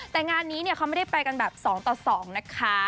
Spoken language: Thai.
แต่งานนี้เขาไม่ได้ไปกันแบบ๒ต่อ๒นะคะ